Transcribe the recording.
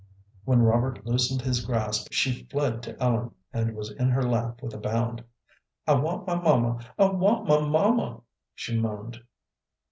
When Robert loosened his grasp she fled to Ellen, and was in her lap with a bound. "I want my mamma I want my mamma," she moaned.